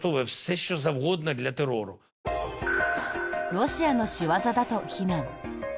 ロシアの仕業だと非難。